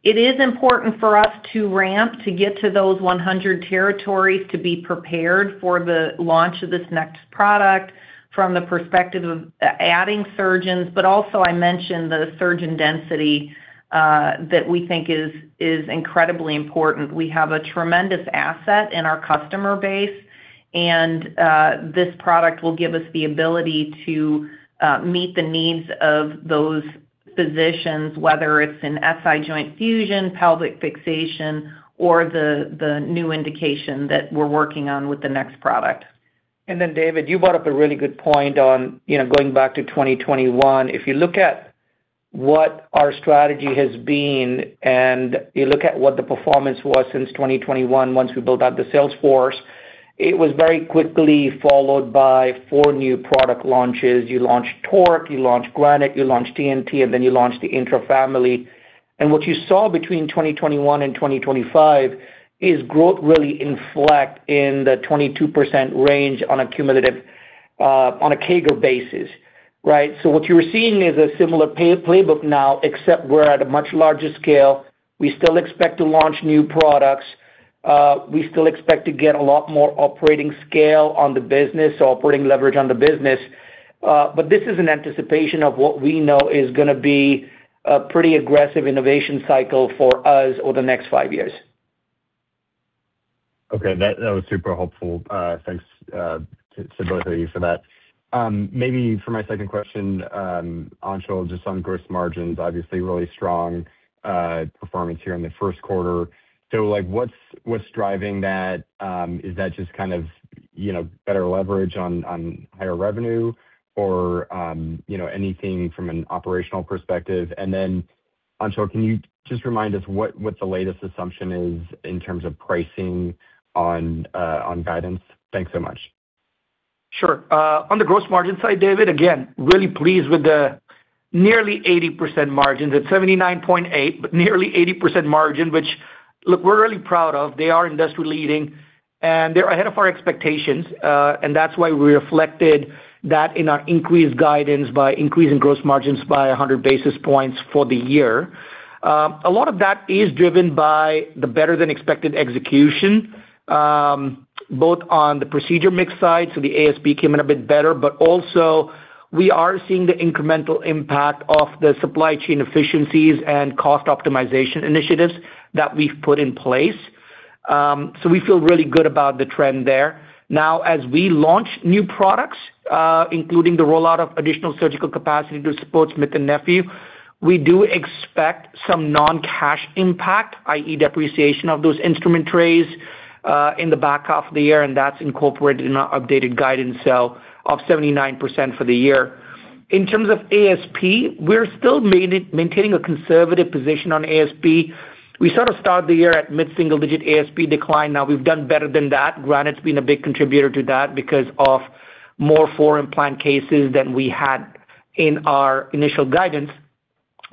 It is important for us to ramp to get to those 100 territories to be prepared for the launch of this next product from the perspective of adding surgeons. Also, I mentioned the surgeon density, that we think is incredibly important. We have a tremendous asset in our customer base, and this product will give us the ability to meet the needs of those physicians, whether it's in SI joint fusion, pelvic fixation, or the new indication that we're working on with the next product. David, you brought up a really good point on, you know, going back to 2021. If you look at what our strategy has been, and you look at what the performance was since 2021, once we built out the sales force, it was very quickly followed by 4 new product launches. You launched TORQ, you launched Granite, you launched TNT, you launched the INTRA family. What you saw between 2021 and 2025 is growth really inflect in the 22% range on a cumulative on a CAGR basis, right? What you're seeing is a similar playbook now, except we're at a much larger scale. We still expect to launch new products. We still expect to get a lot more operating scale on the business or operating leverage on the business. This is an anticipation of what we know is going to be a pretty aggressive innovation cycle for us over the next five years. Okay. That was super helpful. Thanks to both of you for that. Maybe for my second question, Anshul, just on gross margins, obviously really strong performance here in the first quarter. Like, what's driving that? Is that just kind of, you know, better leverage on higher revenue or, you know, anything from an operational perspective? Anshul, can you just remind us what the latest assumption is in terms of pricing on guidance? Thanks so much. On the gross margin side, David, again, really pleased with the nearly 80% margins. It's 79.8%, nearly 80% margin, which look, we're really proud of. They are industrial leading, they're ahead of our expectations. That's why we reflected that in our increased guidance by increasing gross margins by 100 basis points for the year. A lot of that is driven by the better than expected execution, both on the procedure mix side, the ASP came in a bit better. Also we are seeing the incremental impact of the supply chain efficiencies and cost optimization initiatives that we've put in place. We feel really good about the trend there. Now, as we launch new products, including the rollout of additional surgical capacity to support Smith+Nephew, we do expect some non-cash impact, i.e., depreciation of those instrument trays, in the back half of the year, and that's incorporated in our updated guidance sell of 79% for the year. In terms of ASP, we're still maintaining a conservative position on ASP. We sort of started the year at mid-single-digit ASP decline. Now we've done better than that. Granite's been a big contributor to that because of more four-implant cases than we had in our initial guidance.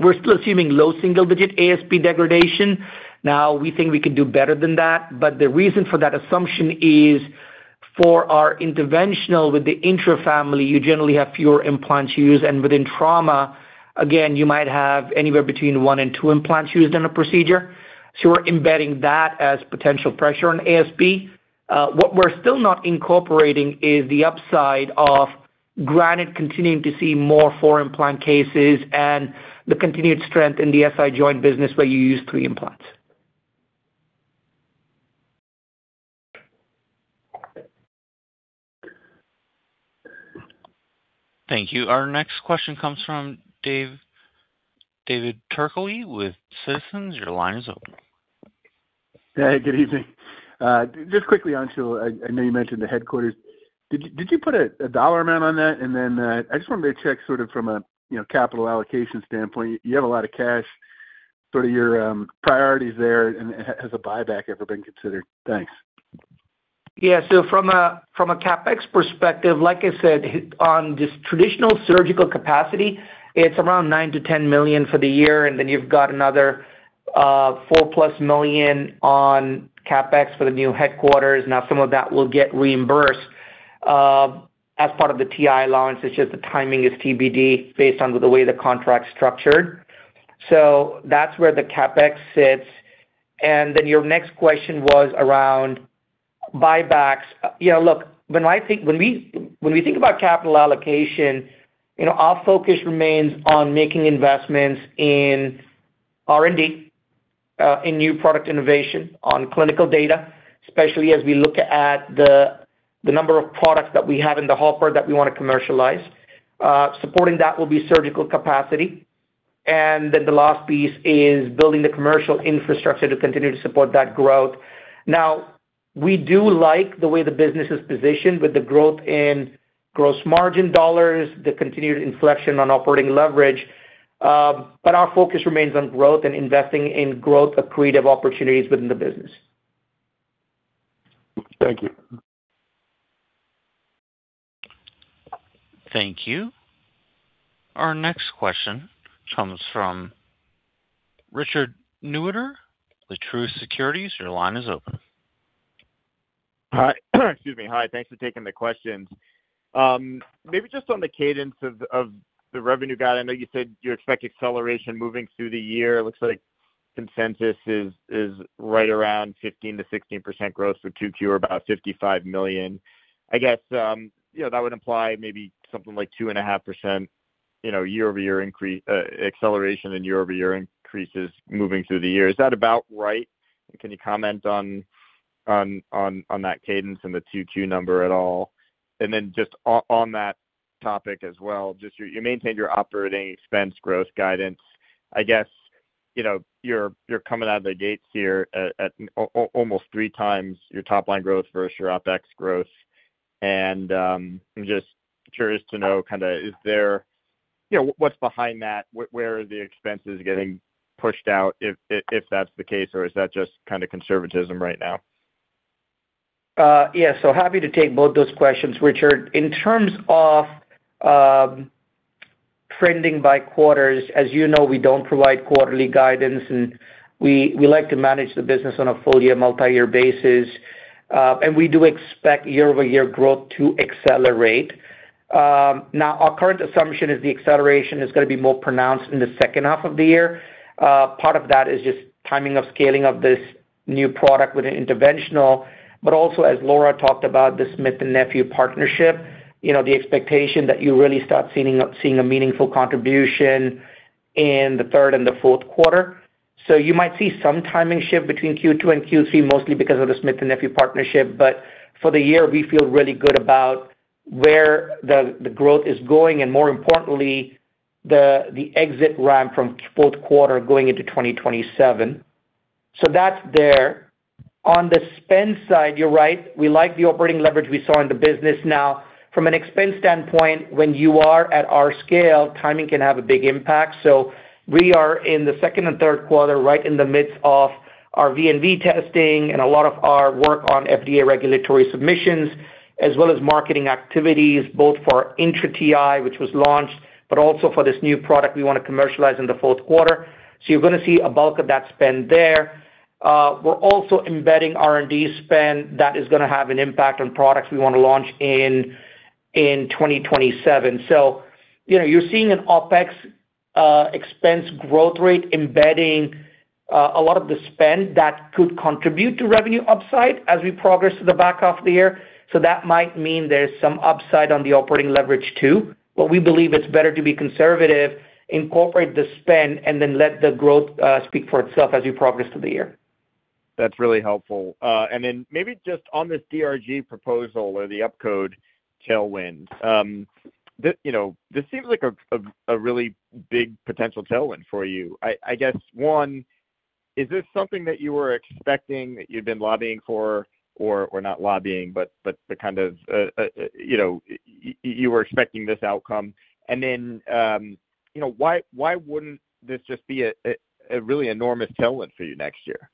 We're still assuming low single-digit ASP degradation. Now, we think we can do better than that, but the reason for that assumption is for our interventional with the INTRA family, you generally have fewer implants used. Within trauma, again, you might have anywhere between one and two implants used in a procedure. We're embedding that as potential pressure on ASP. What we're still not incorporating is the upside of Granite continuing to see more four-implant cases and the continued strength in the SI joint business where you use three implants. Thank you. Our next question comes from David Turkaly with Citizens. Your line is open. Hey, good evening. Just quickly, Anshul, I know you mentioned the headquarters. Did you put a dollar amount on that? Then, I just wanted to check sort of from a, you know, capital allocation standpoint, you have a lot of cash, sort of your priorities there and has a buyback ever been considered? Thanks. From a, from a CapEx perspective, like I said, on just traditional surgical capacity, it's around $9 million-$10 million for the year, you've got another $4+ million on CapEx for the new headquarters. Now some of that will get reimbursed as part of the TI allowance. It's just the timing is TBD based on the way the contract's structured. That's where the CapEx sits. Your next question was around buybacks. Look, when we think about capital allocation, you know, our focus remains on making investments in R&D, in new product innovation, on clinical data, especially as we look at the number of products that we have in the hopper that we wanna commercialize. Supporting that will be surgical capacity. The last piece is building the commercial infrastructure to continue to support that growth. We do like the way the business is positioned with the growth in gross margin dollars, the continued inflection on operating leverage, but our focus remains on growth and investing in growth accretive opportunities within the business. Thank you. Thank you. Our next question comes from Richard Newitter with Truist Securities. Your line is open. Hi. Excuse me. Hi, thanks for taking the questions. Maybe just on the cadence of the revenue guide, I know you said you expect acceleration moving through the year. It looks like consensus is right around 15%-16% growth, so 2Q or about $55 million. I guess, that would imply maybe something like 2.5% year-over-year acceleration in year-over-year increases moving through the year. Is that about right? Can you comment on that cadence and the 2Q number at all? Just on that topic as well, you maintained your operating expense growth guidance. I guess, you're coming out of the gates here at almost 3x your top line growth versus your OpEx growth. I'm just curious to know, kinda, is there, you know, what's behind that? Where are the expenses getting pushed out if that's the case, or is that just kinda conservatism right now? Yeah. Happy to take both those questions, Richard. In terms of trending by quarters, as you know, we don't provide quarterly guidance, and we like to manage the business on a full-year, multi-year basis. And we do expect year-over-year growth to accelerate. Now our current assumption is the acceleration is gonna be more pronounced in the second half of the year. Part of that is just timing of scaling of this new product with an interventional. But also, as Laura talked about, the Smith+Nephew partnership, you know, the expectation that you really start seeing a meaningful contribution in the third and the fourth quarter. You might see some timing shift between Q2 and Q3, mostly because of the Smith+Nephew partnership. For the year, we feel really good about where the growth is going, and more importantly, the exit ramp from fourth quarter going into 2027. That's there. On the spend side, you're right. We like the operating leverage we saw in the business. From an expense standpoint, when you are at our scale, timing can have a big impact. We are in the second and third quarter, right in the midst of our V&V testing and a lot of our work on FDA regulatory submissions, as well as marketing activities, both for INTRA Ti, which was launched, but also for this new product we wanna commercialize in the fourth quarter. You're gonna see a bulk of that spend there. We're also embedding R&D spend that is gonna have an impact on products we wanna launch in 2027. you know, you're seeing an OpEx expense growth rate embedding a lot of the spend that could contribute to revenue upside as we progress to the back half of the year. That might mean there's some upside on the operating leverage too. We believe it's better to be conservative, incorporate the spend, and then let the growth speak for itself as we progress through the year. That's really helpful. Maybe just on this DRG proposal or the upcode tailwind. You know, this seems like a really big potential tailwind for you. I guess, one, is this something that you were expecting, that you'd been lobbying for or not lobbying, but the kind of, you know, you were expecting this outcome? You know, why wouldn't this just be a really enormous tailwind for you next year?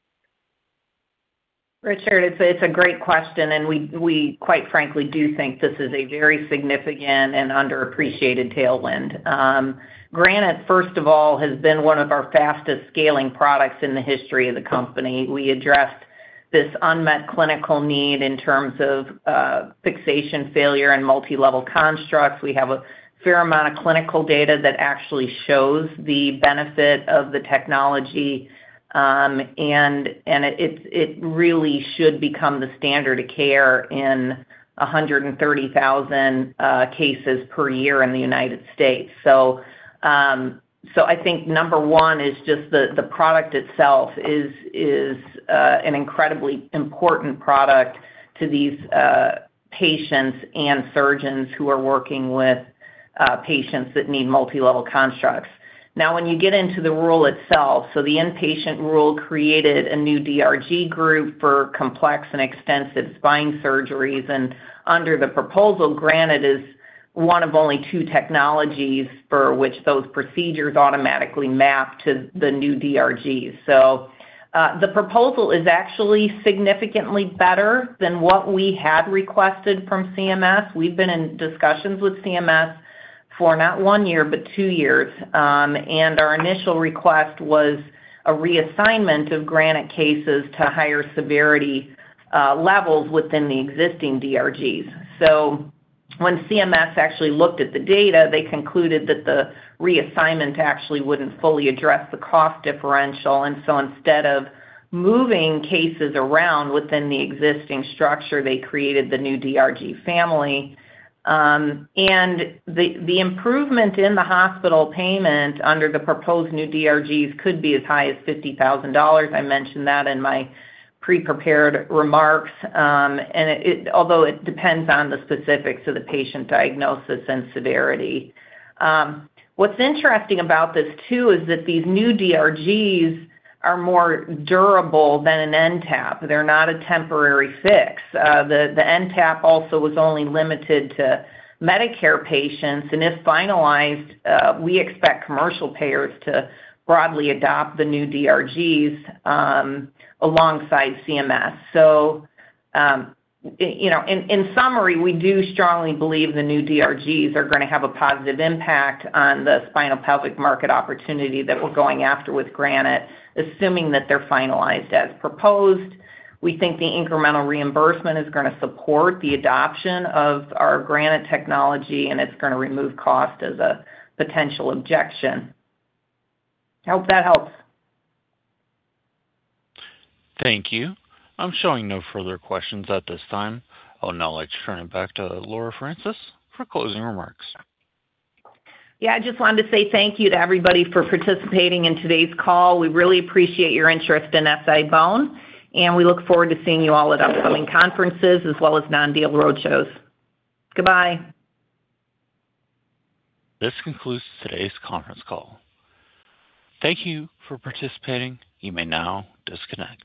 Richard, it's a great question, we quite frankly do think this is a very significant and underappreciated tailwind. Granted, first of all, it has been one of our fastest scaling products in the history of the company. We addressed this unmet clinical need in terms of fixation failure and multi-level constructs. We have a fair amount of clinical data that actually shows the benefit of the technology, and it really should become the standard of care in 130,000 cases per year in the U.S. I think number one is just the product itself is an incredibly important product to these patients and surgeons who are working with patients that need multi-level constructs. When you get into the rule itself, the inpatient rule created a new DRG group for complex and extensive spine surgeries, and under the proposal, Granite is one of only two technologies for which those procedures automatically map to the new DRGs. The proposal is actually significantly better than what we had requested from CMS. We've been in discussions with CMS for not one year, but two years. Our initial request was a reassignment of granite cases to higher severity levels within the existing DRGs. When CMS actually looked at the data, they concluded that the reassignment actually wouldn't fully address the cost differential, instead of moving cases around within the existing structure, they created the new DRG family. The improvement in the hospital payment under the proposed new DRGs could be as high as $50,000. I mentioned that in my pre-prepared remarks. Although it depends on the specifics of the patient diagnosis and severity. What's interesting about this too is that these new DRGs are more durable than an NTAP. They're not a temporary fix. The NTAP also was only limited to Medicare patients, and if finalized, we expect commercial payers to broadly adopt the new DRGs alongside CMS. You know, in summary, we do strongly believe the new DRGs are gonna have a positive impact on the spinal pelvic market opportunity that we're going after with Granite, assuming that they're finalized as proposed. We think the incremental reimbursement is gonna support the adoption of our Granite technology, and it's gonna remove cost as a potential objection. I hope that helps. Thank you. I'm showing no further questions at this time. I would now like to turn it back to Laura Francis for closing remarks. Yeah, I just wanted to say thank you to everybody for participating in today's call. We really appreciate your interest in SI-BONE, and we look forward to seeing you all at upcoming conferences as well as non-deal roadshows. Goodbye. This concludes today's conference call. Thank you for participating. You may now disconnect.